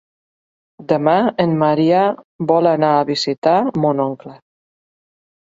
Demà en Maria vol anar a visitar mon oncle.